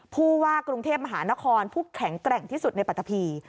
ผู้ว่ากรุงเทพมหานครผู้แข็งแกร่งที่สุดในปัตตะพี